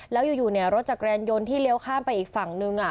แล้วอยู่เนี่ยรถจากแกนยนต์ที่เลี้ยวข้ามไปอีกฝั่งนึงอ่ะ